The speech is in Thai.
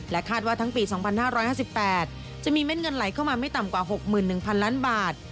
คาดว่าทั้งปี๒๕๕๘จะมีเม็ดเงินไหลเข้ามาไม่ต่ำกว่า๖๑๐๐๐ล้านบาท